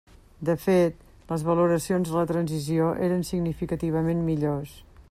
De fet, les valoracions de la transició eren significativament millors.